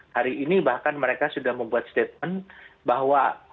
hari ini bahkan mereka sudah membuat statement bahwa